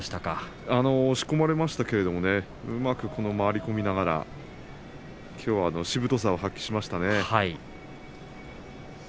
押し込まれましたがうまく回り込みながらきょうはしぶとさを発揮しましたね。